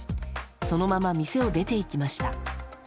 そのまま店を出ていきました。